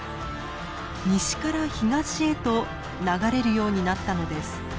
西から東へと流れるようになったのです。